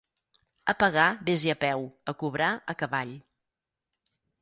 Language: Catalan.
A pagar, ves-hi a peu; a cobrar, a cavall.